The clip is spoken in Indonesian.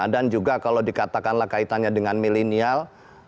dan juga kalau dikatakanlah kaitannya dengan milenial